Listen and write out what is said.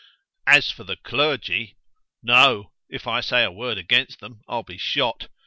As for the Clergy——No——if I say a word against them, I'll be shot.